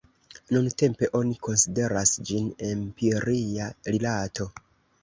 Nuntempe oni konsideras ĝin empiria rilato.